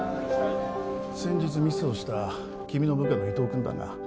先日ミスをした君の部下のイトウ君だが